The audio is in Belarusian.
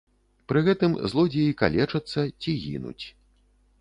Пры гэтым злодзеі калечацца ці гінуць.